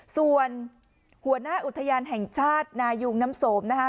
ส่วนหัวหน้าอุทยานแห่งชาตินายุงน้ำสมนะคะ